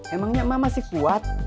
emangnya ma masih kuat